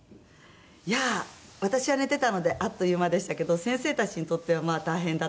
いや私は寝てたのであっという間でしたけど先生たちにとっては大変だった。